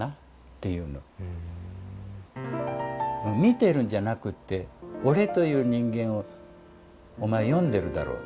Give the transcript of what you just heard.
「見てるんじゃなくて俺という人間をお前読んでるだろう」って言うの。